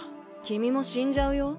君も死んじゃうよ。